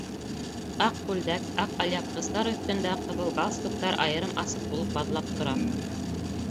Аҡ күлдәк, аҡ алъяпҡыстар өҫтөндә ҡыҙыл галстуктар айырым-асыҡ булып баҙлап тора.